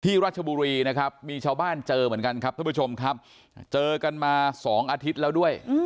รัชบุรีนะครับมีชาวบ้านเจอเหมือนกันครับท่านผู้ชมครับเจอกันมา๒อาทิตย์แล้วด้วย